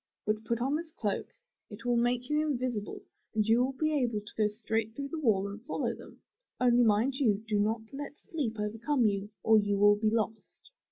Then put on this coat; it will make you invisible and you will be able to go straight through the wall and follow them. Only mind you, do not let sleep overcome you or you will be lost.''